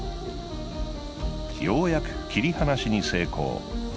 ようやく切り離しに成功。